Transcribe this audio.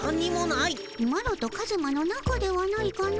マロとカズマのなかではないかの。